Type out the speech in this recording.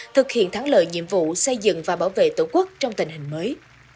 thực hiện thắng lợi nhiệm vụ xây dựng và bảo vệ tổ quốc trong tình hình mới